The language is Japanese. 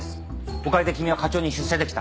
おかげで君は課長に出世できた。